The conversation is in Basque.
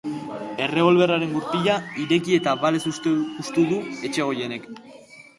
Errebolberraren gurpila ireki eta balez hustu du Etxegoienek.